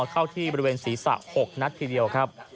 เข้าที่บริเวณศีรษะ๖นัดทีเดียวครับ